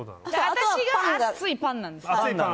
私が熱いパンなんです。